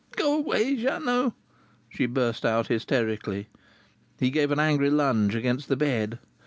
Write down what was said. "Go away, Jeannot!" she burst out hysterically. He gave an angry lunge against the bed.